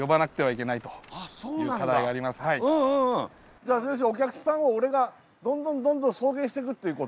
じゃあお客さんを俺がどんどんどんどん送迎していくってこと？